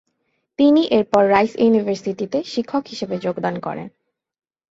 তিনি এরপর রাইস ইউনিভার্সিটিতে শিক্ষক হিসেবে যোগদান করেন।